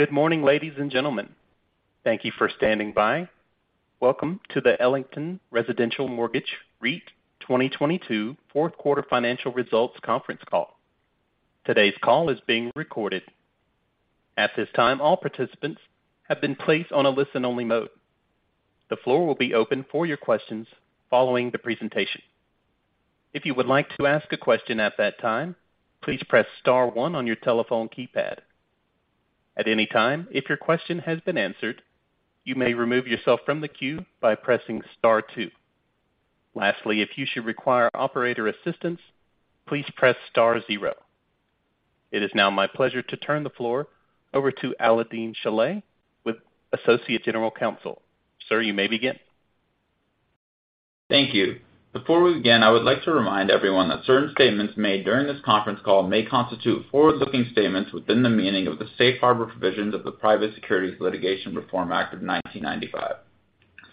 Good morning, ladies and gentlemen. Thank you for standing by. Welcome to the Ellington Residential Mortgage REIT 2022 fourth quarter financial results conference call. Today's call is being recorded. At this time, all participants have been placed on a listen-only mode. The floor will be open for your questions following the presentation. If you would like to ask a question at that time, please press star one on your telephone keypad. At any time, if your question has been answered, you may remove yourself from the queue by pressing star two. Lastly, if you should require operator assistance, please press star zero. It is now my pleasure to turn the floor over to Alaael-Deen Shilleh with Associate General Counsel. Sir, you may begin. Thank you. Before we begin, I would like to remind everyone that certain statements made during this conference call may constitute forward-looking statements within the meaning of the Safe Harbor provisions of the Private Securities Litigation Reform Act of 1995.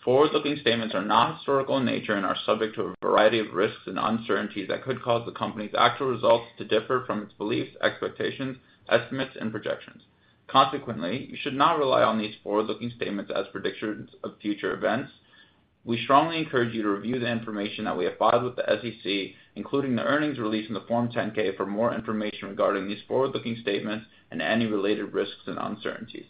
Forward-looking statements are not historical in nature and are subject to a variety of risks and uncertainties that could cause the company's actual results to differ from its beliefs, expectations, estimates, and projections. You should not rely on these forward-looking statements as predictions of future events. We strongly encourage you to review the information that we have filed with the SEC, including the earnings release in the Form 10-K, for more information regarding these forward-looking statements and any related risks and uncertainties.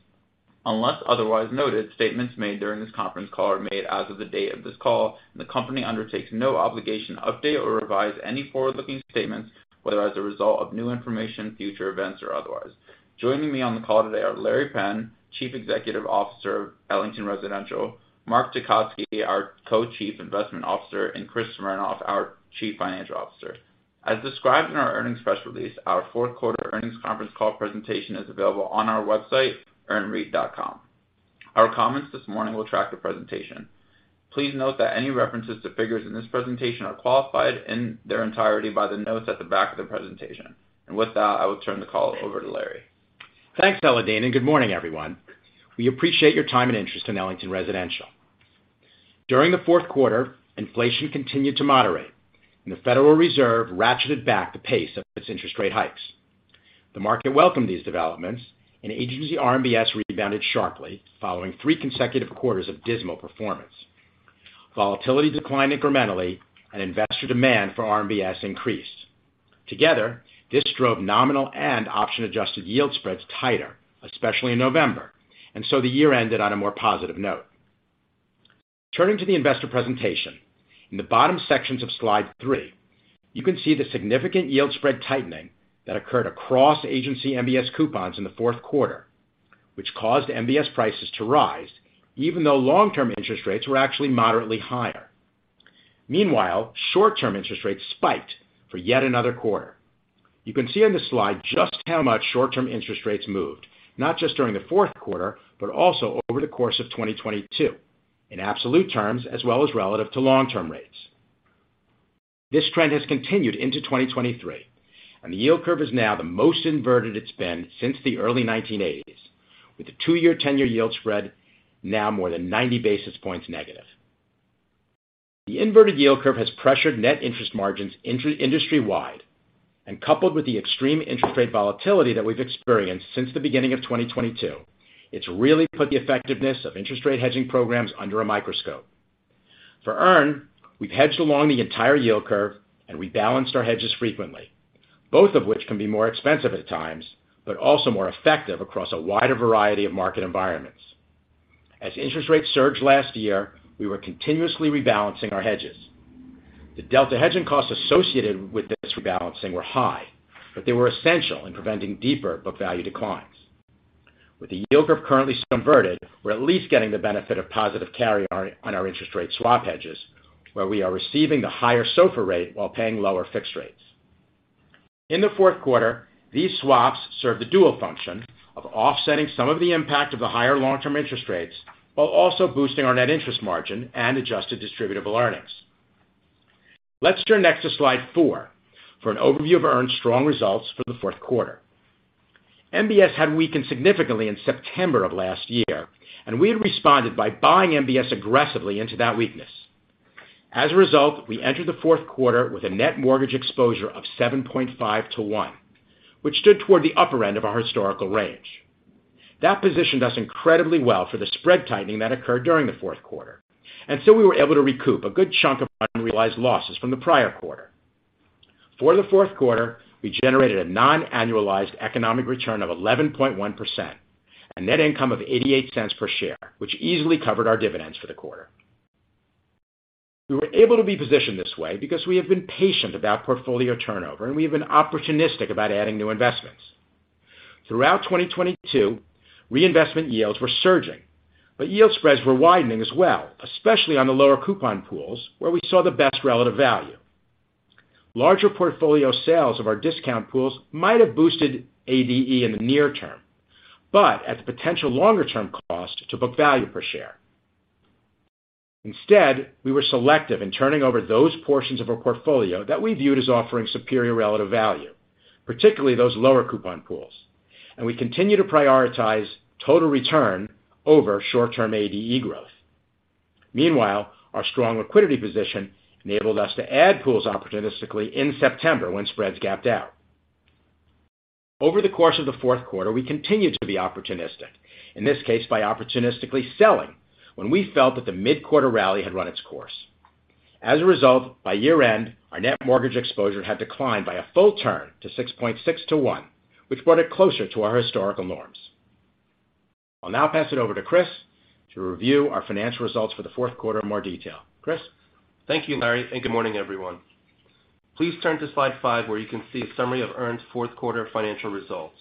Unless otherwise noted, statements made during this conference call are made as of the date of this call, and the company undertakes no obligation to update or revise any forward-looking statements, whether as a result of new information, future events, or otherwise. Joining me on the call today are Larry Penn, Chief Executive Officer, Ellington Residential, Mark Tecotzky, our Co-chief Investment Officer, and Chris Smernoff, our Chief Financial Officer. As described in our earnings press release, our fourth quarter earnings conference call presentation is available on our website, earnreit.com. Our comments this morning will track the presentation. Please note that any references to figures in this presentation are qualified in their entirety by the notes at the back of the presentation. With that, I will turn the call over to Larry. Thanks, Alaael-Deen. Good morning, everyone. We appreciate your time and interest in Ellington Residential. During the fourth quarter, inflation continued to moderate. The Federal Reserve ratcheted back the pace of its interest rate hikes. The market welcomed these developments. Agency RMBS rebounded sharply following three consecutive quarters of dismal performance. Volatility declined incrementally. Investor demand for RMBS increased. Together, this drove nominal and option-adjusted yield spreads tighter, especially in November. The year ended on a more positive note. Turning to the investor presentation, in the bottom sections of slide three, you can see the significant yield spread tightening that occurred across Agency MBS coupons in the fourth quarter, which caused MBS prices to rise even though long-term interest rates were actually moderately higher. Meanwhile, short-term interest rates spiked for yet another quarter. You can see on this slide just how much short-term interest rates moved, not just during the fourth quarter, but also over the course of 2022, in absolute terms, as well as relative to long-term rates. This trend has continued into 2023, and the yield curve is now the most inverted it's been since the early 1980s, with the two-year 10-year yield spread now more than 90 basis points negative. The inverted yield curve has pressured net interest margins industry-wide, and coupled with the extreme interest rate volatility that we've experienced since the beginning of 2022, it's really put the effectiveness of interest rate hedging programs under a microscope. For EARN, we've hedged along the entire yield curve and rebalanced our hedges frequently, both of which can be more expensive at times, but also more effective across a wider variety of market environments. As interest rates surged last year, we were continuously rebalancing our hedges. The delta hedging costs associated with this rebalancing were high, but they were essential in preventing deeper book value declines. With the yield curve currently converted, we're at least getting the benefit of positive carry on our interest rate swap hedges, where we are receiving the higher SOFR rate while paying lower fixed rates. In the fourth quarter, these swaps serve the dual function of offsetting some of the impact of the higher long-term interest rates while also boosting our net interest margin and adjusted distributable earnings. Let's turn next to slide four for an overview of EARN's strong results for the fourth quarter. MBS had weakened significantly in September of last year, and we had responded by buying MBS aggressively into that weakness. As a result, we entered the fourth quarter with a net mortgage exposure of 7.5 to one, which stood toward the upper end of our historical range. That positioned us incredibly well for the spread tightening that occurred during the fourth quarter. We were able to recoup a good chunk of unrealized losses from the prior quarter. For the fourth quarter, we generated a non-annualized economic return of 11.1%, a net income of $0.88 per share, which easily covered our dividends for the quarter. We were able to be positioned this way because we have been patient about portfolio turnover. We have been opportunistic about adding new investments. Throughout 2022, reinvestment yields were surging. Yield spreads were widening as well, especially on the lower coupon pools, where we saw the best relative value. Larger portfolio sales of our discount pools might have boosted ADE in the near term, but at the potential longer-term cost to book value per share. Instead, we were selective in turning over those portions of our portfolio that we viewed as offering superior relative value, particularly those lower coupon pools, and we continue to prioritize total return over short-term ADE growth. Our strong liquidity position enabled us to add pools opportunistically in September when spreads gapped out. Over the course of the fourth quarter, we continued to be opportunistic, in this case by opportunistically selling when we felt that the mid-quarter rally had run its course. As a result, by year-end, our net mortgage exposure had declined by a full turn to 6.6 to one, which brought it closer to our historical norms. I'll now pass it over to Chris to review our financial results for the fourth quarter in more detail. Chris? Thank you, Larry, and good morning, everyone. Please turn to slide five, where you can see a summary of EARN's fourth quarter financial results.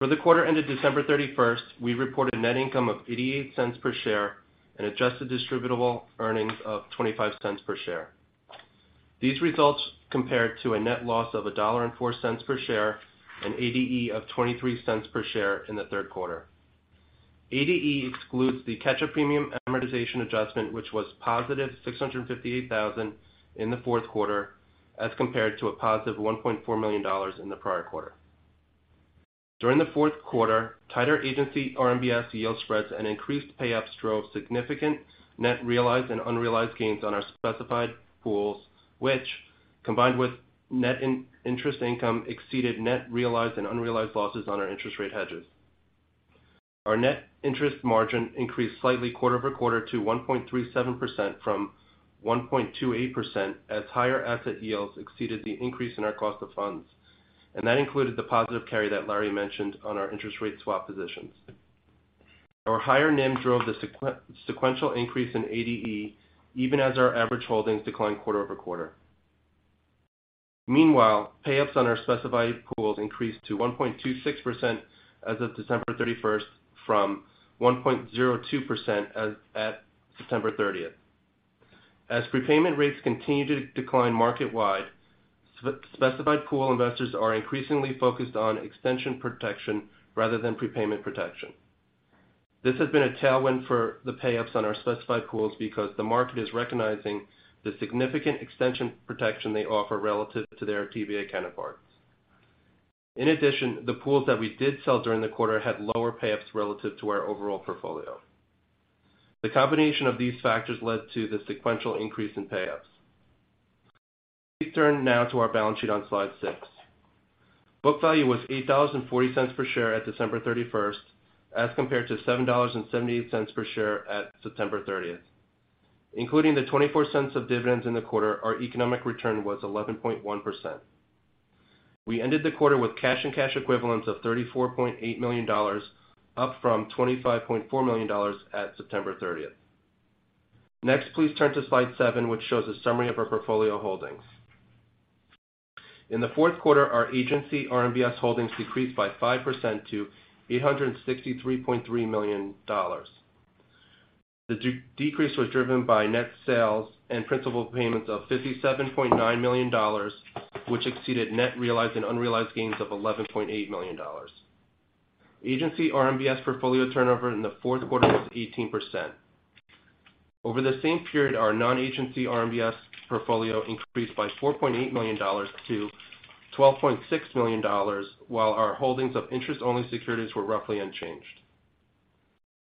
For the quarter ended December 31st, we reported net income of $0.88 per share and adjusted distributable earnings of $0.25 per share. These results compared to a net loss of $1.04 per share and ADE of $0.23 per share in the third quarter. ADE excludes the catch-up premium amortization adjustment, which was positive $658,000 in the fourth quarter as compared to a positive $1.4 million in the prior quarter. During the fourth quarter, tighter Agency RMBS yield spreads and increased pay-ups drove significant net realized and unrealized gains on our specified pools, which, combined with net in-interest income, exceeded net realized and unrealized losses on our interest rate hedges. Our net interest margin increased slightly quarter-over-quarter to 1.37% from 1.28% as higher asset yields exceeded the increase in our cost of funds. That included the positive carry that Larry mentioned on our interest rate swap positions. Our higher NIM drove the sequential increase in ADE even as our average holdings declined quarter-over-quarter. Meanwhile, pay-ups on our specified pools increased to 1.26% as of December 31st from 1.02% as at September 30th. As prepayment rates continue to decline market-wide, specified pool investors are increasingly focused on extension protection rather than prepayment protection. This has been a tailwind for the pay-ups on our specified pools because the market is recognizing the significant extension protection they offer relative to their TBA counterparts. In addition, the pools that we did sell during the quarter had lower pay-ups relative to our overall portfolio. The combination of these factors led to the sequential increase in pay-ups. Please turn now to our balance sheet on slide six. Book value was $80.40 per share at December 31st, as compared to $7.78 per share at September 30th. Including the $0.24 of dividends in the quarter, our economic return was 11.1%. We ended the quarter with cash and cash equivalents of $34.8 million, up from $25.4 million at September 30th. Next, please turn to slide seven, which shows a summary of our portfolio holdings. In the fourth quarter, our Agency RMBS holdings decreased by 5% to $863.3 million. The decrease was driven by net sales and principal payments of $57.9 million, which exceeded net realized and unrealized gains of $11.8 million. Agency RMBS portfolio turnover in the fourth quarter was 18%. Over the same period, our non-Agency RMBS portfolio increased by $4.8 million to $12.6 million, while our holdings of interest-only securities were roughly unchanged.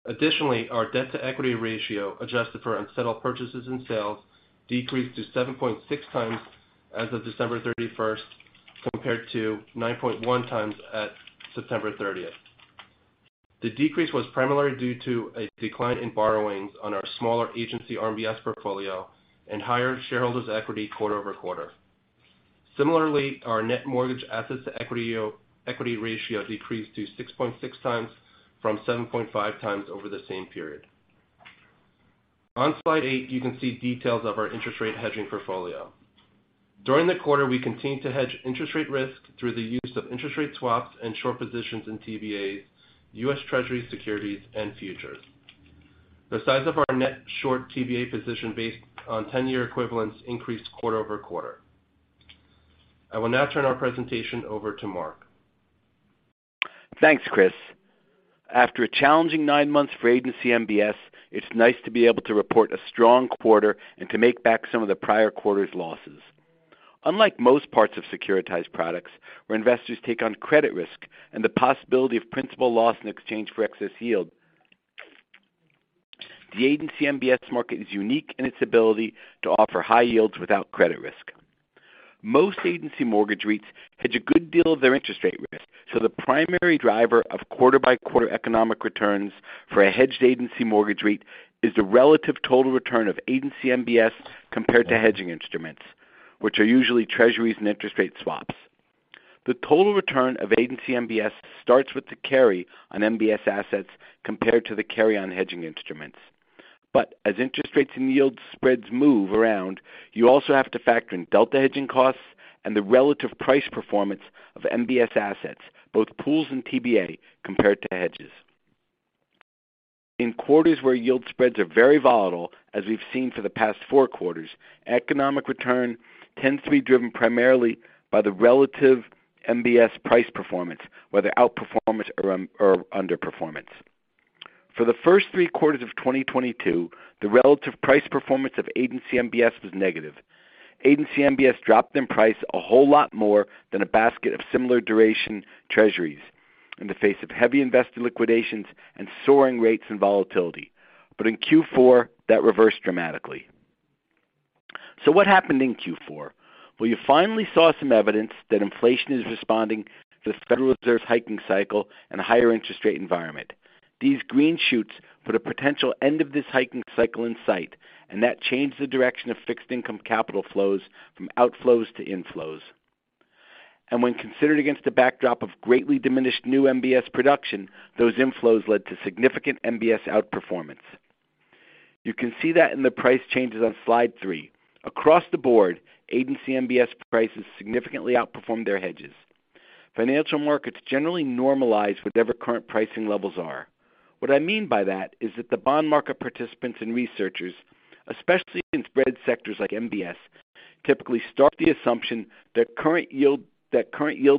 Additionally, our debt-to-equity ratio, adjusted for unsettled purchases and sales, decreased to 7.6x as of December 31st, compared to 9.1x at September 30th. The decrease was primarily due to a decline in borrowings on our smaller Agency RMBS portfolio and higher shareholders' equity quarter-over-quarter. Similarly, our net mortgage assets to equity ratio decreased to 6.6x from 7.5x over the same period. On slide eight, you can see details of our interest rate hedging portfolio. During the quarter, we continued to hedge interest rate risk through the use of interest rate swaps and short positions in TBAs, U.S. Treasury securities, and futures. The size of our net short TBA position based on 10-year equivalents increased quarter-over-quarter. I will now turn our presentation over to Mark. Thanks, Chris. After a challenging nine months for Agency MBS, it's nice to be able to report a strong quarter and to make back some of the prior quarter's losses. Unlike most parts of securitized products, where investors take on credit risk and the possibility of principal loss in exchange for excess yield, the Agency MBS market is unique in its ability to offer high yields without credit risk. Most Agency mortgage REITs hedge a good deal of their interest rate risk, so the primary driver of quarter-by-quarter economic returns for a hedged Agency mortgage REIT is the relative total return of Agency MBS compared to hedging instruments, which are usually Treasuries and interest rate swaps. The total return of Agency MBS starts with the carry on MBS assets compared to the carry on hedging instruments. As interest rates and yield spreads move around, you also have to factor in delta hedging costs and the relative price performance of MBS assets, both pools and TBA, compared to hedges. In quarters where yield spreads are very volatile, as we've seen for the past four quarters, economic return tends to be driven primarily by the relative MBS price performance, whether outperformance or underperformance. For the first three quarters of 2022, the relative price performance of Agency MBS was negative. Agency MBS dropped in price a whole lot more than a basket of similar duration U.S. Treasury. In the face of heavy investor liquidations and soaring rates and volatility. In Q4, that reversed dramatically. What happened in Q4? You finally saw some evidence that inflation is responding to the Federal Reserve System's hiking cycle and a higher interest rate environment. These green shoots put a potential end of this hiking cycle in sight, that changed the direction of fixed income capital flows from outflows to inflows. When considered against the backdrop of greatly diminished new MBS production, those inflows led to significant MBS outperformance. You can see that in the price changes on slide three. Across the board, Agency MBS prices significantly outperformed their hedges. Financial markets generally normalize whatever current pricing levels are. What I mean by that is that the bond market participants and researchers, especially in spread sectors like MBS, typically start the assumption that current yield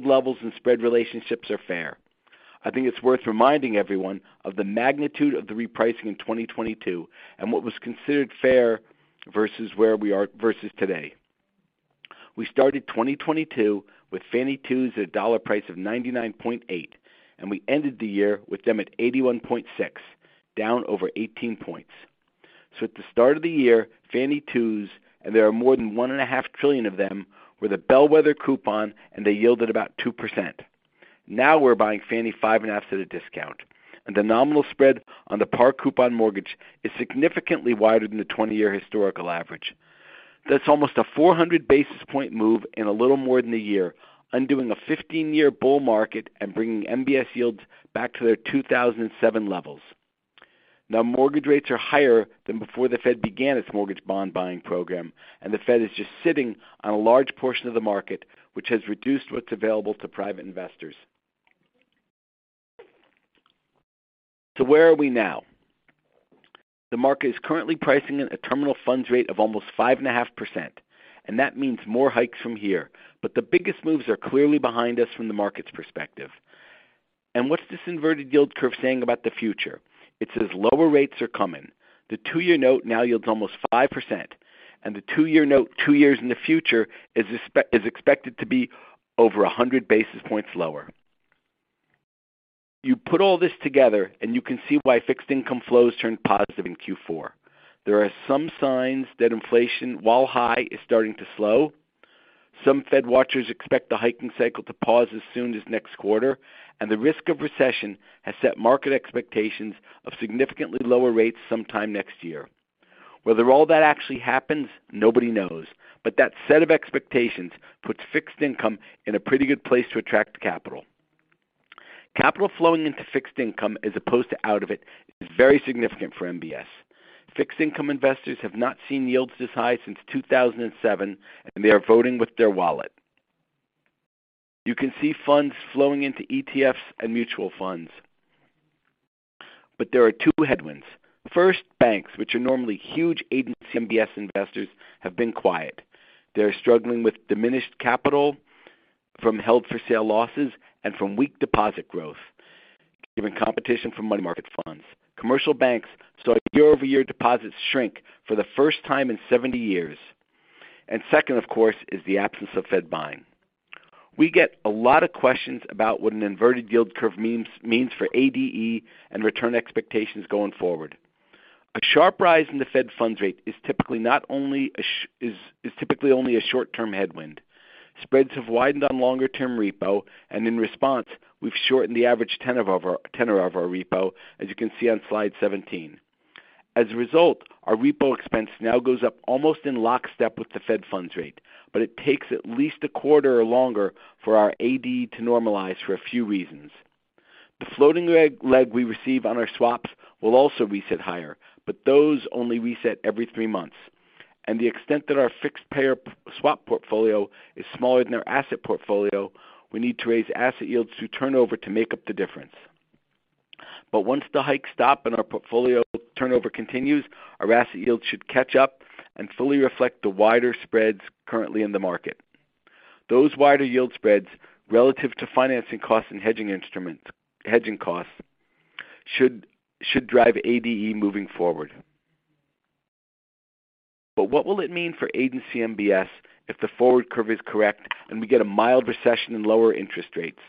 levels and spread relationships are fair. I think it's worth reminding everyone of the magnitude of the repricing in 2022 and what was considered fair versus where we are versus today. We started 2022 with Fannie 2s at a dollar price of 99.8, we ended the year with them at 81.6, down over 18 points. At the start of the year, Fannie twos, there are more than 1.5 trillion of them, were the bellwether coupon, they yielded about 2%. Now we're buying Fannie 5.5 at a discount, the nominal spread on the par coupon mortgage is significantly wider than the 20-year historical average. That's almost a 400 basis point move in a little more than a year, undoing a 15-year bull market and bringing MBS yields back to their 2007 levels. Mortgage rates are higher than before the Fed began its mortgage bond buying program, the Fed is just sitting on a large portion of the market, which has reduced what's available to private investors. Where are we now? The market is currently pricing in a terminal funds rate of almost 5.5%, that means more hikes from here, the biggest moves are clearly behind us from the market's perspective. What's this inverted yield curve saying about the future? It says lower rates are coming. The two-year note now yields almost 5%, the two-year note two years in the future is expected to be over 100 basis points lower. You put all this together, you can see why fixed income flows turned positive in Q4. There are some signs that inflation, while high, is starting to slow. Some Fed watchers expect the hiking cycle to pause as soon as next quarter, and the risk of recession has set market expectations of significantly lower rates sometime next year. Whether all that actually happens, nobody knows, but that set of expectations puts fixed income in a pretty good place to attract capital. Capital flowing into fixed income as opposed to out of it is very significant for MBS. Fixed income investors have not seen yields this high since 2007, and they are voting with their wallet. You can see funds flowing into ETFs and mutual funds. There are two headwinds. First, banks, which are normally huge Agency RMBS investors, have been quiet. They're struggling with diminished capital from held for sale losses and from weak deposit growth, given competition from money market funds. Commercial banks saw year-over-year deposits shrink for the first time in 70 years. Second, of course, is the absence of Fed buying. We get a lot of questions about what an inverted yield curve means for ADE and return expectations going forward. A sharp rise in the Fed funds rate is typically only a short-term headwind. Spreads have widened on longer-term repo, and in response, we've shortened the average tenor of our repo, as you can see on slide 17. As a result, our repo expense now goes up almost in lockstep with the Fed funds rate, but it takes at least a quarter or longer for our ADE to normalize for a few reasons. The floating leg we receive on our swaps will also reset higher, but those only reset every three months. The extent that our fixed payer swap portfolio is smaller than our asset portfolio, we need to raise asset yields through turnover to make up the difference. Once the hikes stop and our portfolio turnover continues, our asset yields should catch up and fully reflect the wider spreads currently in the market. Those wider yield spreads relative to financing costs and hedging costs should drive ADE moving forward. What will it mean for Agency MBS if the forward curve is correct and we get a mild recession and lower interest rates?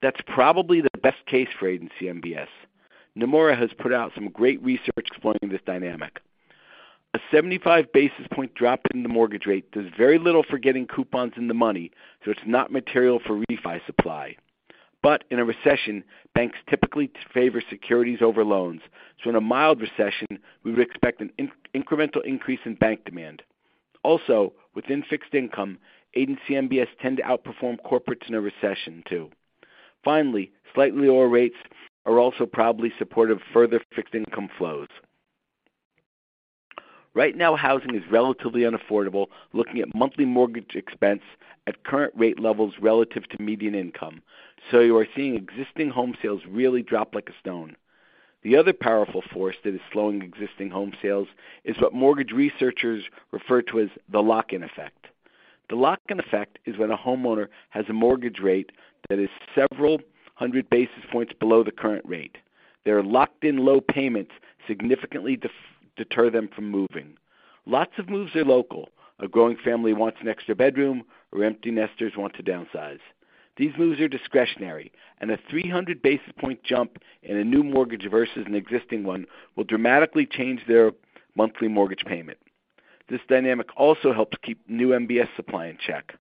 That's probably the best case for Agency MBS. Nomura has put out some great research explaining this dynamic. A 75 basis point drop in the mortgage rate does very little for getting coupons in the money, so it's not material for refi supply. In a recession, banks typically favor securities over loans. In a mild recession, we would expect an incremental increase in bank demand. Within fixed income, Agency MBS tend to outperform corporates in a recession too. Slightly lower rates are also probably supportive of further fixed income flows. Right now, housing is relatively unaffordable, looking at monthly mortgage expense at current rate levels relative to median income. You are seeing existing home sales really drop like a stone. The other powerful force that is slowing existing home sales is what mortgage researchers refer to as the lock-in effect. The lock-in effect is when a homeowner has a mortgage rate that is several hundred basis points below the current rate. Their locked-in low payments significantly deter them from moving. Lots of moves are local. A growing family wants an extra bedroom or empty nesters want to downsize. These moves are discretionary, a 300 basis point jump in a new mortgage versus an existing one will dramatically change their monthly mortgage payment. This dynamic also helps keep new MBS supply in check.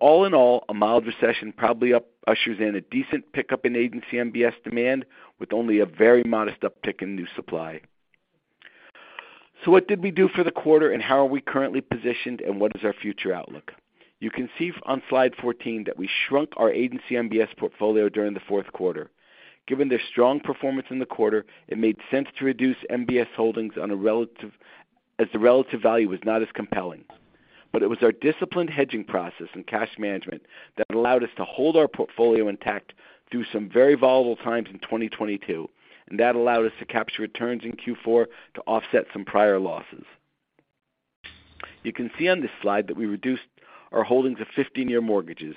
All in all, a mild recession probably ushers in a decent pickup in Agency MBS demand with only a very modest uptick in new supply. What did we do for the quarter, and how are we currently positioned, and what is our future outlook? You can see on slide 14 that we shrunk our Agency MBS portfolio during the fourth quarter. Given their strong performance in the quarter, it made sense to reduce MBS holdings as the relative value was not as compelling. It was our disciplined hedging process and cash management that allowed us to hold our portfolio intact through some very volatile times in 2022, and that allowed us to capture returns in Q4 to offset some prior losses. You can see on this slide that we reduced our holdings of 15-year mortgages.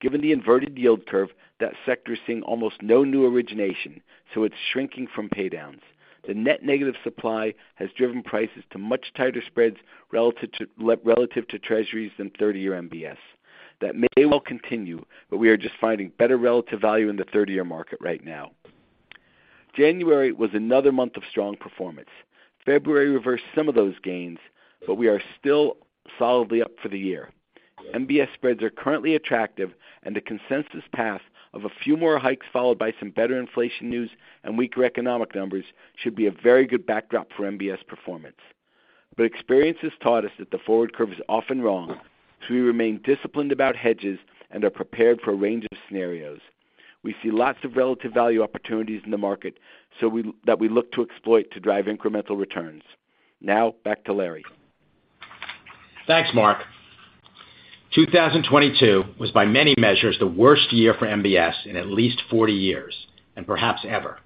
Given the inverted yield curve, that sector is seeing almost no new origination, so it's shrinking from pay downs. The net negative supply has driven prices to much tighter spreads relative to Treasuries than 30-year MBS. That may well continue, we are just finding better relative value in the 30-year market right now. January was another month of strong performance. February reversed some of those gains, we are still solidly up for the year. MBS spreads are currently attractive, and the consensus path of a few more hikes followed by some better inflation news and weaker economic numbers should be a very good backdrop for MBS performance. Experience has taught us that the forward curve is often wrong. We remain disciplined about hedges and are prepared for a range of scenarios. We see lots of relative value opportunities in the market, so that we look to exploit to drive incremental returns. Back to Larry. Thanks, Mark. 2022 was by many measures, the worst year for MBS in at least 40 years, and perhaps ever.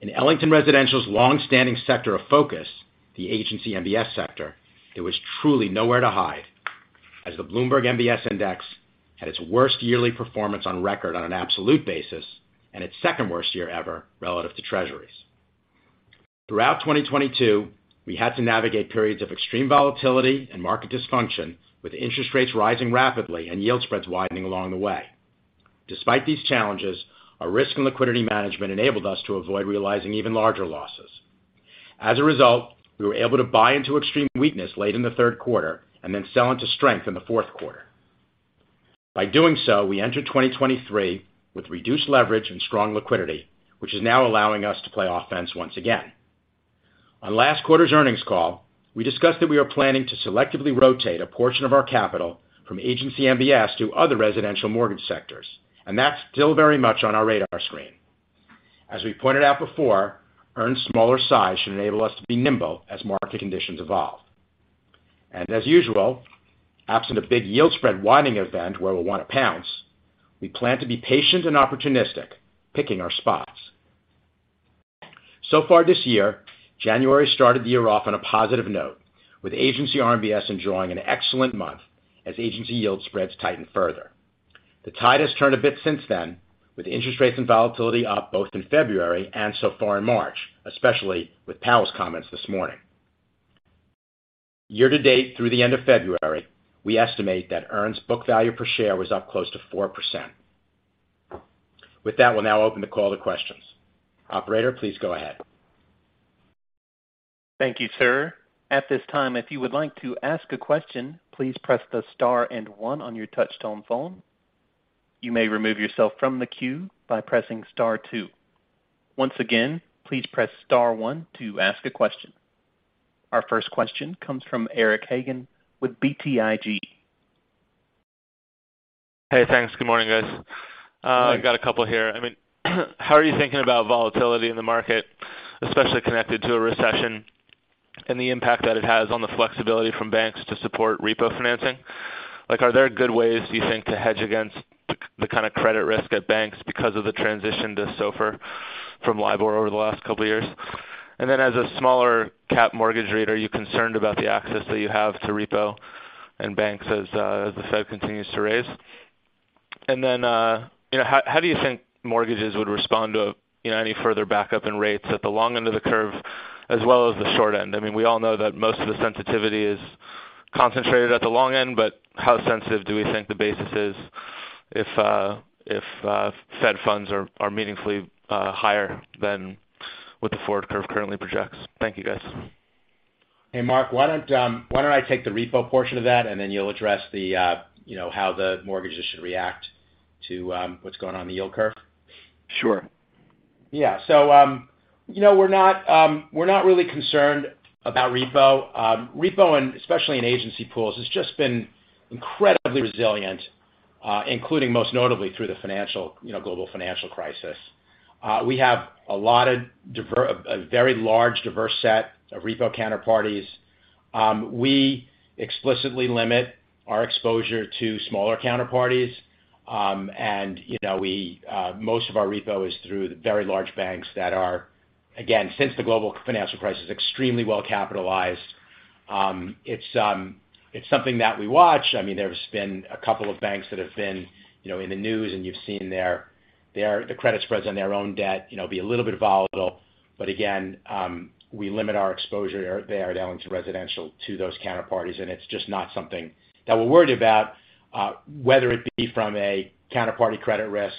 In Ellington Residential's longstanding sector of focus, the Agency MBS sector, there was truly nowhere to hide as the Bloomberg MBS Index had its worst yearly performance on record on an absolute basis and its second worst year ever relative to Treasuries. Throughout 2022, we had to navigate periods of extreme volatility and market dysfunction, with interest rates rising rapidly and yield spreads widening along the way. Despite these challenges, our risk and liquidity management enabled us to avoid realizing even larger losses. As a result, we were able to buy into extreme weakness late in the third quarter and then sell into strength in the fourth quarter. By doing so, we entered 2023 with reduced leverage and strong liquidity, which is now allowing us to play offense once again. On last quarter's earnings call, we discussed that we are planning to selectively rotate a portion of our capital from Agency MBS to other residential mortgage sectors, that's still very much on our radar screen. As we pointed out before, EARN's smaller size should enable us to be nimble as market conditions evolve. As usual, absent a big yield spread winding event where we'll want to pounce, we plan to be patient and opportunistic, picking our spots. Far this year, January started the year off on a positive note, with Agency RMBS enjoying an excellent month as Agency yield spreads tightened further. The tide has turned a bit since then, with interest rates and volatility up both in February and so far in March, especially with Powell's comments this morning. Year to date through the end of February, we estimate that EARN's book value per share was up close to 4%. With that, we'll now open the call to questions. Operator, please go ahead. Thank you, sir. At this time, if you would like to ask a question, please press the star one on your touch-tone phone. You may remove yourself from the queue by pressing star two. Once again, please press star one to ask a question. Our first question comes from Eric Hagen with BTIG. Hey, thanks. Good morning, guys. I've got a couple here. I mean, how are you thinking about volatility in the market, especially connected to a recession, and the impact that it has on the flexibility from banks to support repo financing? Like, are there good ways you think to hedge against the kind of credit risk at banks because of the transition to SOFR from LIBOR over the last two years? As a smaller cap mortgage rate, are you concerned about the access that you have to repo and banks as the Fed continues to raise? You know, how do you think mortgages would respond to, you know, any further backup in rates at the long end of the curve as well as the short end? I mean, we all know that most of the sensitivity is concentrated at the long end. How sensitive do we think the basis is if Fed funds are meaningfully higher than what the forward curve currently projects? Thank you, guys. Hey, Mark, why don't I take the repo portion of that, and then you'll address the, you know, how the mortgages should react to what's going on in the yield curve? Sure. You know, we're not really concerned about repo. Repo especially in Agency pools, has just been incredibly resilient, including most notably through the financial, you know, global financial crisis. We have a lot of a very large, diverse set of repo counterparties. We explicitly limit our exposure to smaller counterparties. You know, we most of our repo is through the very large banks that are, again, since the global financial crisis, extremely well capitalized. It's something that we watch. I mean, there's been a couple of banks that have been, you know, in the news, and you've seen their the credit spreads on their own debt, you know, be a little bit volatile. We limit our exposure there down to residential to those counterparties, and it's just not something that we're worried about, whether it be from a counterparty credit risk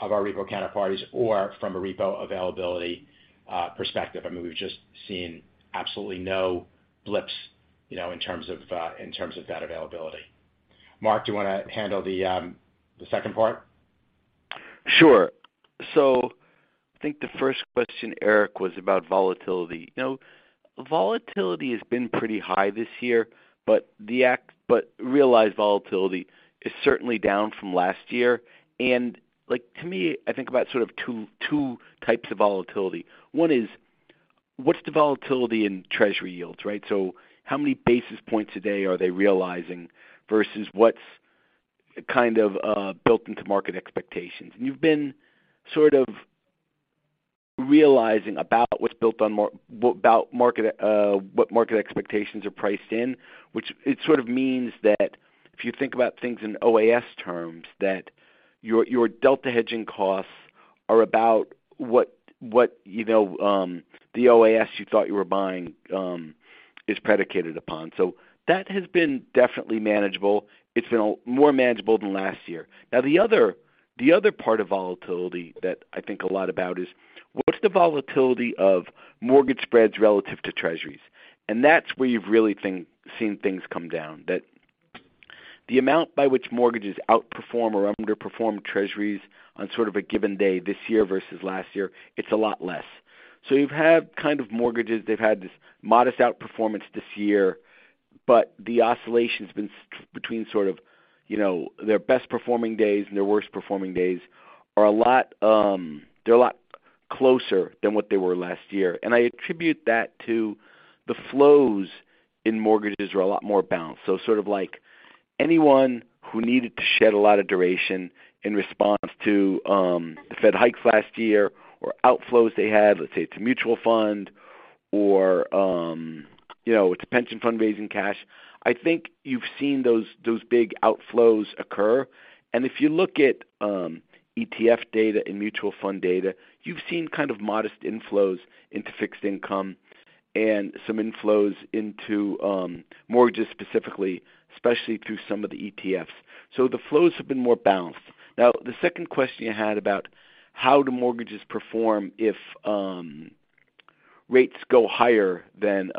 of our repo counterparties or from a repo availability perspective. I mean, we've just seen absolutely no blips, you know, in terms of, in terms of that availability. Mark, do you wanna handle the second part? Sure. I think the first question, Eric, was about volatility. You know, volatility has been pretty high this year, but realized volatility is certainly down from last year. Like, to me, I think about sort of two types of volatility. One is, what's the volatility in Treasury yields, right? How many basis points a day are they realizing versus what's kind of built into market expectations? You've been sort of realizing about what's built on market expectations are priced in which it sort of means that if you think about things in OAS terms, that your delta hedging costs are about what, you know, the OAS you thought you were buying is predicated upon. That has been definitely manageable. It's been a more manageable than last year. The other part of volatility that I think a lot about is, what's the volatility of mortgage spreads relative to Treasuries? That's where you've really seen things come down. The amount by which mortgages outperform or underperform Treasuries on sort of a given day this year versus last year, it's a lot less. You've had kind of mortgages, they've had this modest outperformance this year, but the oscillation's been between sort of, you know, their best performing days and their worst performing days are a lot, they're a lot closer than what they were last year. I attribute that to the flows in mortgages are a lot more balanced. Sort of like anyone who needed to shed a lot of duration in response to the Fed hikes last year or outflows they had, let's say it's a mutual fund or, you know, it's a pension fund raising cash. I think you've seen those big outflows occur. If you look at ETF data and mutual fund data, you've seen kind of modest inflows into fixed income and some inflows into mortgages specifically, especially through some of the ETFs. The flows have been more balanced. The second question you had about how do mortgages perform if rates go higher than,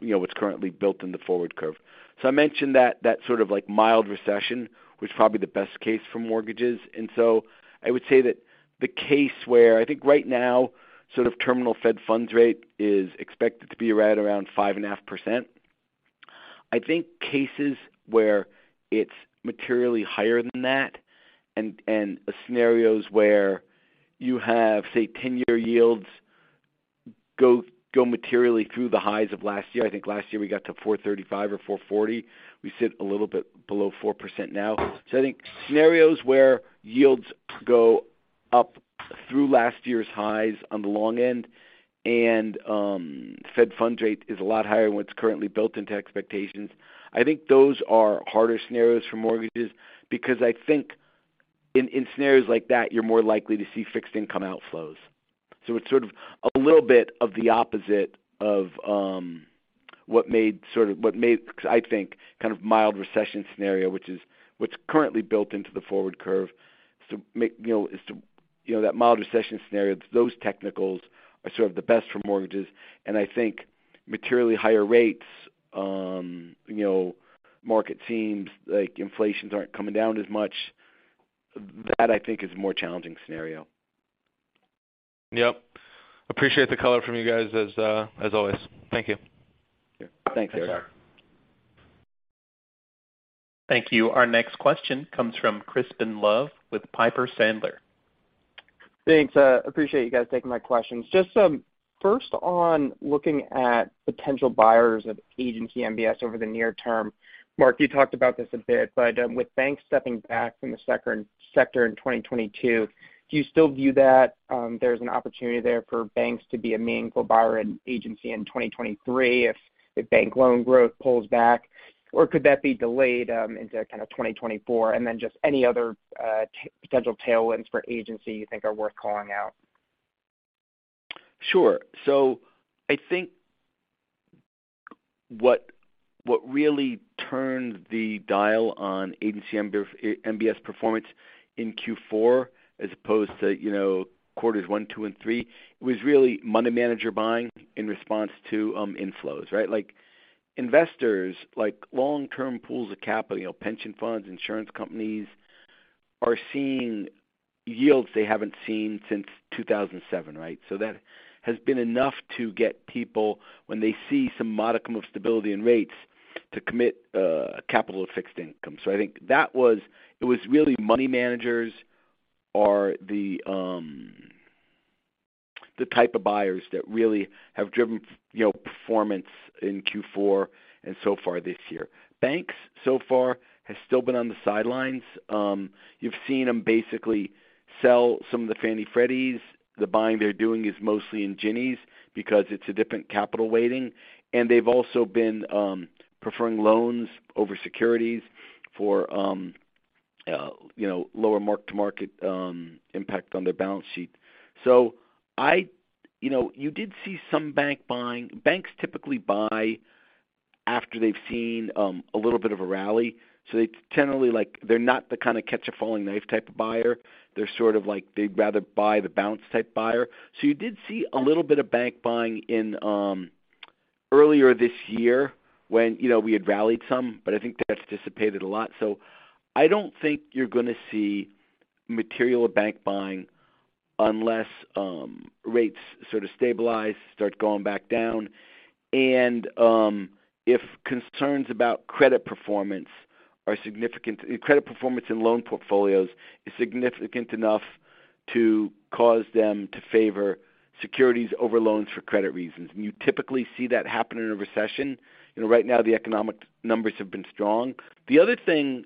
you know, what's currently built in the forward curve. I mentioned that sort of like mild recession was probably the best case for mortgages. I would say that the case where I think right now, sort of terminal Fed funds rate is expected to be right around 5.5%. I think cases where it's materially higher than that and scenarios where you have, say, 10-year yields go materially through the highs of last year, I think last year we got to 4.35% or 4.40%. We sit a little bit below 4% now. I think scenarios where yields go up through last year's highs on the long end and Fed funds rate is a lot higher than what's currently built into expectations, I think those are harder scenarios for mortgages because I think in scenarios like that, you're more likely to see fixed income outflows. It's sort of a little bit of the opposite of what made, I think, kind of mild recession scenario, which is what's currently built into the forward curve. You know, is to, you know, that mild recession scenario, those technicals are sort of the best for mortgages. I think materially higher rates, you know, market seems like inflations aren't coming down as much, that I think is a more challenging scenario. Yep. Appreciate the color from you guys as always. Thank you. Sure. Thanks, Eric. Thank you. Our next question comes from Crispin Love with Piper Sandler. Thanks. Appreciate you guys taking my questions. Just, first on looking at potential buyers of Agency RMBS over the near term. Mark, you talked about this a bit, but with banks stepping back from the sector in 2022, do you still view that there's an opportunity there for banks to be a meaningful buyer in agency in 2023 if bank loan growth pulls back? Could that be delayed into kind of 2024? Just any other potential tailwinds for agency you think are worth calling out. Sure. I think what really turned the dial on Agency MBS performance in Q4 as opposed to, you know, quarters one, two, and three, was really money manager buying in response to inflows, right? Like, investors, like long-term pools of capital, you know, pension funds, insurance companies are seeing yields they haven't seen since 2007, right? That has been enough to get people, when they see some modicum of stability in rates, to commit capital of fixed income. I think it was really money managers are the type of buyers that really have driven, you know, performance in Q4 and so far this year. Banks so far has still been on the sidelines. You've seen them basically sell some of the Fannie, Freddies. The buying they're doing is mostly in Ginnies because it's a different capital weighting. They've also been preferring loans over securities for, you know, lower mark-to-market impact on their balance sheet. You know, you did see some bank buying. Banks typically buy after they've seen a little bit of a rally. They generally like, they're not the kind of catch a falling knife type of buyer. They're sort of like they'd rather buy the bounce type buyer. You did see a little bit of bank buying in earlier this year when, you know, we had rallied some, but I think that's dissipated a lot. I don't think you're gonna see material bank buying unless rates sort of stabilize, start going back down. If concerns about credit performance are significant credit performance and loan portfolios is significant enough to cause them to favor securities over loans for credit reasons. You typically see that happen in a recession. You know, right now, the economic numbers have been strong. The other thing,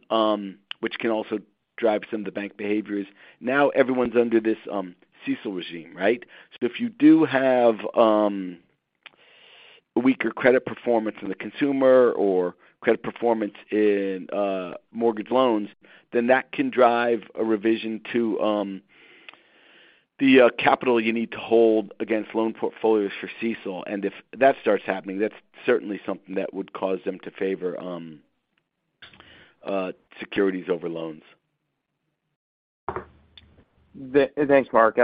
which can also drive some of the bank behavior is now everyone's under this CECL regime, right? If you do have weaker credit performance in the consumer or credit performance in mortgage loans, then that can drive a revision to the capital you need to hold against loan portfolios for CECL. If that starts happening, that's certainly something that would cause them to favor securities over loans. Thanks, Mark.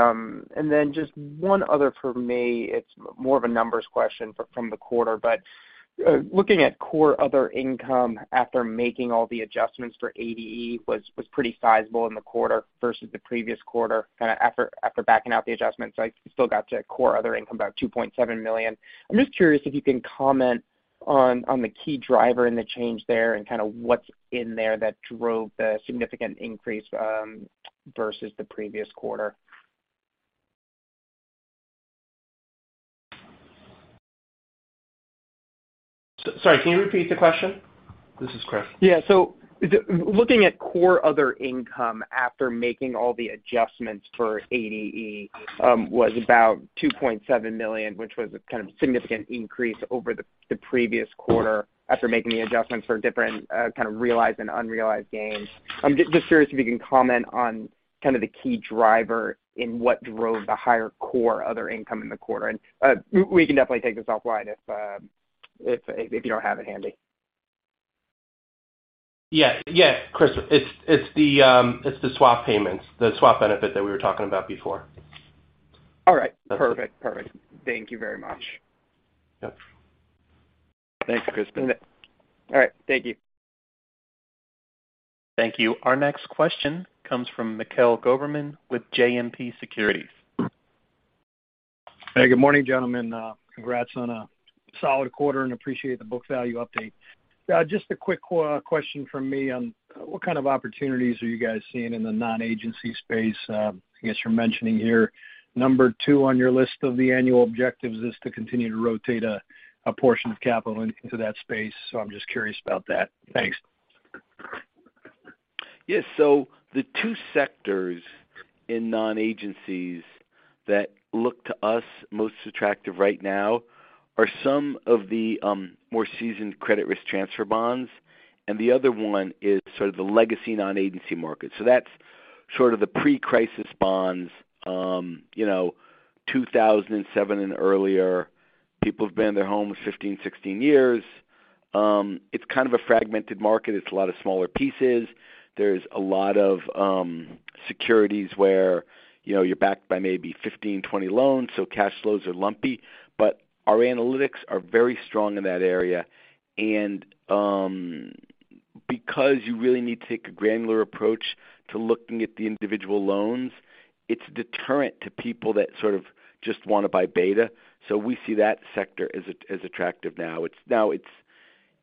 Just one other for me. It's more of a numbers question from the quarter, but looking at core other income after making all the adjustments for ADE was pretty sizable in the quarter versus the previous quarter, kinda after backing out the adjustments. I still got to core other income, about $2.7 million. I'm just curious if you can comment on the key driver in the change there and kinda what's in there that drove the significant increase versus the previous quarter. Sorry, can you repeat the question? This is Chris. Looking at core other income after making all the adjustments for ADE, was about $2.7 million, which was a kind of significant increase over the previous quarter after making the adjustments for different, kind of realized and unrealized gains. I'm just curious if you can comment on kind of the key driver in what drove the higher core other income in the quarter. We can definitely take this offline if you don't have it handy. Yeah. Yeah. Cris, it's the swap payments, the swap benefit that we were talking about before. All right. Perfect. Thank you very much. Yep. Thanks, Cris. All right. Thank you. Thank you. Our next question comes from Mikhail Goberman with JMP Securities. Hey, good morning, gentlemen. Congrats on a solid quarter. Appreciate the book value update. Just a quick question from me on what kind of opportunities are you guys seeing in the non-Agency space? I guess you're mentioning here number two on your list of the annual objectives is to continue to rotate a portion of capital into that space. I'm just curious about that. Thanks. The two sectors in non-agencies that look to us most attractive right now are some of the more seasoned credit risk transfer bonds, and the other one is sort of the legacy non-Agency market. That's sort of the pre-crisis bonds, you know, 2007 and earlier. People have been in their homes 15, 16 years. It's kind of a fragmented market. It's a lot of smaller pieces. There's a lot of securities where, you know, you're backed by maybe 15, 20 loans, so cash flows are lumpy. Our analytics are very strong in that area. Because you really need to take a granular approach to looking at the individual loans, it's a deterrent to people that sort of just wanna buy beta. We see that sector as attractive now. It's now it's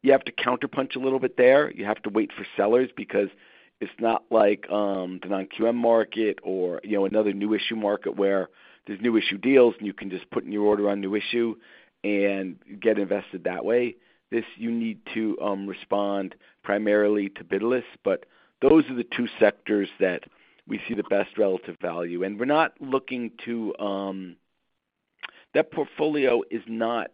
you have to counterpunch a little bit there. You have to wait for sellers because it's not like, the non-QM market or, you know, another new issue market where there's new issue deals, and you can just put in your order on new issue and get invested that way. This, you need to respond primarily to bid lists, but those are the two sectors that we see the best relative value. We're not looking to. That portfolio is not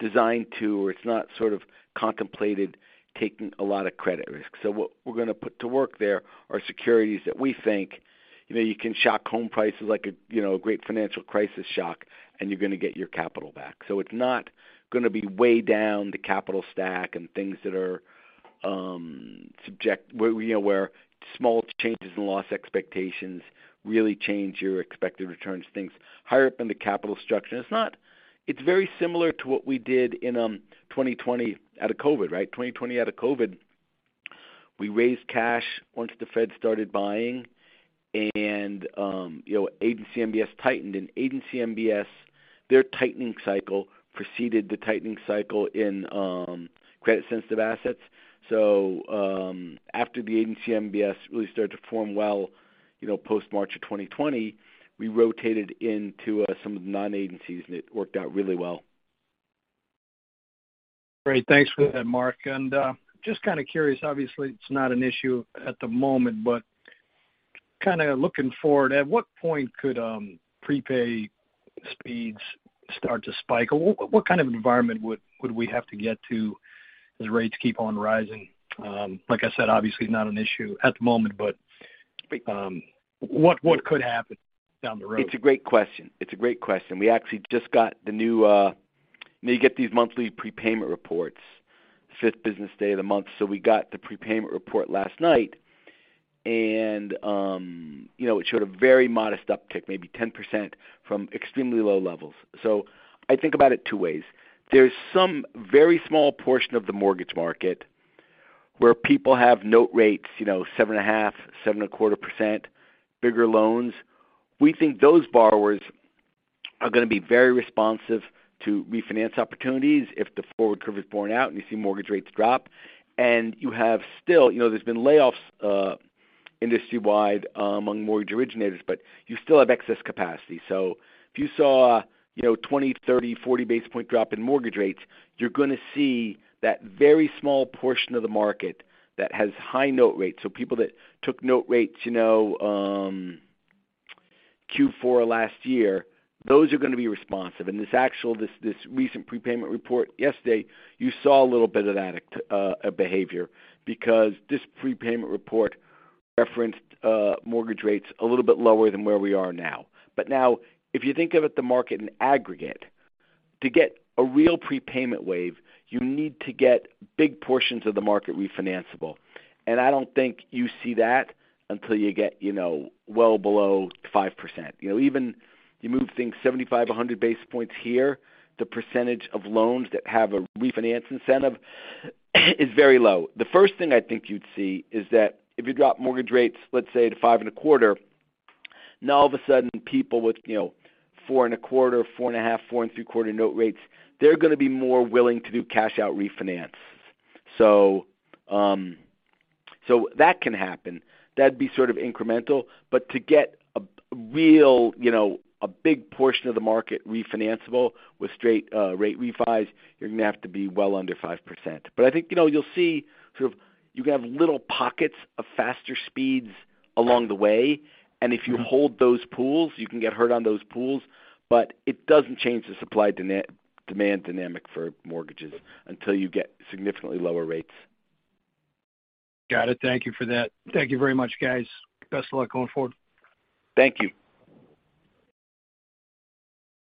designed to or it's not sort of contemplated taking a lot of credit risk. What we're gonna put to work there are securities that we think, you know, you can shock home prices like a, you know, a great financial crisis shock, and you're gonna get your capital back. It's not gonna be way down the capital stack and things that are, you know, where small changes in loss expectations really change your expected returns, things higher up in the capital structure. It's very similar to what we did in 2020 out of COVID, right? 2020 out of COVID, we raised cash once the Fed started buying. You know, Agency MBS tightened. Agency MBS, their tightening cycle preceded the tightening cycle in credit sensitive assets. After the Agency MBS really started to form well, you know, post-March of 2020, we rotated into some of the non-agencies, and it worked out really well. Great. Thanks for that, Mark. Just kinda curious, obviously, it's not an issue at the moment, but. Kind of looking forward, at what point could prepay speeds start to spike? Or what kind of environment would we have to get to as rates keep on rising? Like I said, obviously not an issue at the moment, but what could happen down the road? It's a great question. We actually just got the new, you know, you get these monthly prepayment reports fifth business day of the month, so we got the prepayment report last night. You know, it showed a very modest uptick, maybe 10% from extremely low levels. I think about it two ways. There's some very small portion of the mortgage market where people have note rates, you know, 7.5%, 7.25%, bigger loans. We think those borrowers are gonna be very responsive to refinance opportunities if the forward curve is borne out and you see mortgage rates drop. You have still, you know, there's been layoffs, industry-wide among mortgage originators, but you still have excess capacity. If you saw, you know, 20, 30, 40 base point drop in mortgage rates, you're gonna see that very small portion of the market that has high note rates. People that took note rates, you know, Q4 last year, those are gonna be responsive. This, this recent prepayment report yesterday, you saw a little bit of that behavior because this prepayment report referenced mortgage rates a little bit lower than where we are now. Now if you think of it, the market in aggregate, to get a real prepayment wave, you need to get big portions of the market refinancable. I don't think you see that until you get, you know, well below 5%. You know, even you move things 75, 100 base points here, the percentage of loans that have a refinance incentive is very low. The first thing I think you'd see is that if you drop mortgage rates, let's say to five and a quarter, now all of a sudden people with, you know, four and a quarter, four and a half, four and three-quarter note rates, they're gonna be more willing to do cash out refinance. That can happen. That'd be sort of incremental. To get a real, you know, a big portion of the market refinancable with straight rate refis, you're gonna have to be well under 5%. I think, you know, you'll see sort of you can have little pockets of faster speeds along the way, and if you hold those pools, you can get hurt on those pools, but it doesn't change the supply-demand dynamic for mortgages until you get significantly lower rates. Got it. Thank you for that. Thank you very much, guys. Best of luck going forward. Thank you.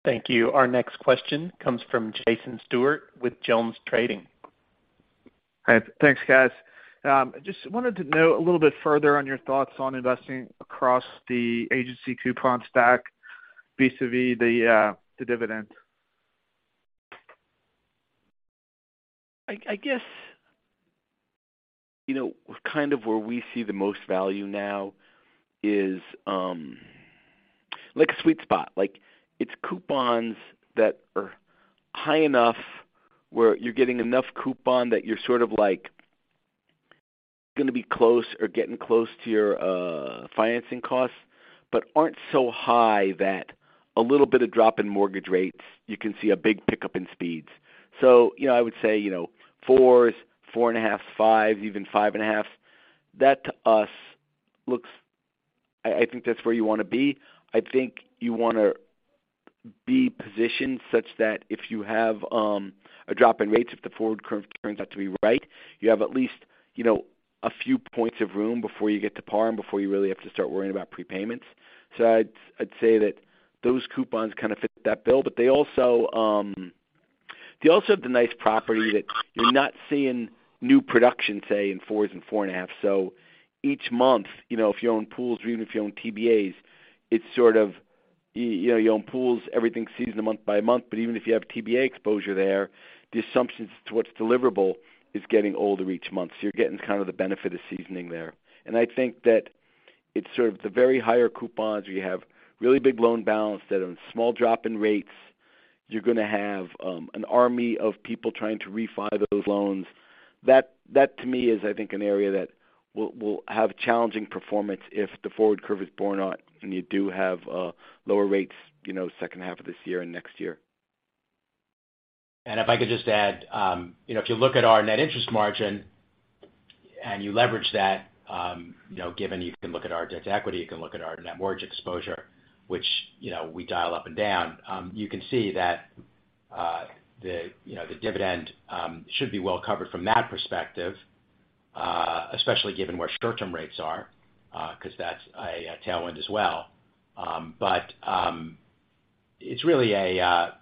Thank you. Our next question comes from Jason Stewart with JonesTrading. Hi. Thanks, guys. Just wanted to know a little bit further on your thoughts on investing across the agency coupon stack vis-a-vis the dividend. I guess, you know, kind of where we see the most value now is like a sweet spot. Like, it's coupons that are high enough where you're getting enough coupon that you're sort of, like, gonna be close or getting close to your financing costs, but aren't so high that a little bit of drop in mortgage rates, you can see a big pickup in speeds. You know, I would say, you know, fours, four and a half, five, even five and a half, that to us looks. I think that's where you wanna be. I think you wanna be positioned such that if you have, a drop in rates, if the forward curve turns out to be right, you have at least, you know, a few points of room before you get to par and before you really have to start worrying about prepayments. I'd say that those coupons kind of fit that bill. They also have the nice property that you're not seeing new production, say in fours and four and a half. Each month, you know, if you own pools, or even if you own TBAs, it's sort of you know, you own pools, everything's seasoned month by month. Even if you have TBA exposure there, the assumptions to what's deliverable is getting older each month, so you're getting kind of the benefit of seasoning there. I think that it's sort of the very higher coupons where you have really big loan balance that on small drop in rates, you're gonna have an army of people trying to refi those loans. That to me is I think, an area that will have challenging performance if the forward curve is borne out and you do have lower rates, you know, second half of this year and next year. If I could just add, you know, if you look at our net interest margin and you leverage that, you know, given you can look at our debt to equity, you can look at our net mortgage exposure, which, you know, we dial up and down, you can see that the, you know, the dividend should be well covered from that perspective, especially given where short-term rates are, 'cause that's a tailwind as well. It's really a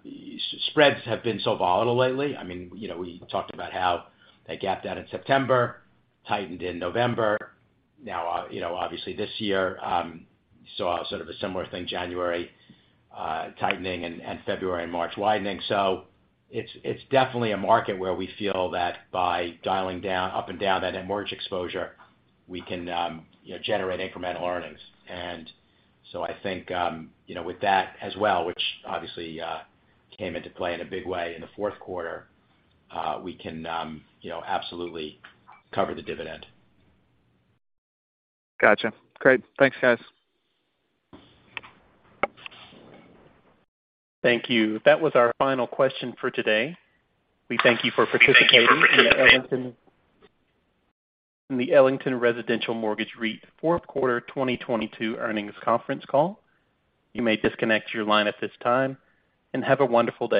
spreads have been so volatile lately. I mean, you know, we talked about how they gapped out in September, tightened in November. Now, you know, obviously this year saw sort of a similar thing, January, tightening and February and March widening. It's definitely a market where we feel that by dialing up and down that net mortgage exposure, we can, you know, generate incremental earnings. I think, you know, with that as well, which obviously came into play in a big way in the fourth quarter, we can, you know, absolutely cover the dividend. Gotcha. Great. Thanks, guys. Thank you. That was our final question for today. We thank you for participating. We thank you for participating. In the Ellington Residential Mortgage REIT fourth quarter 2022 earnings conference call. You may disconnect your line at this time, have a wonderful day.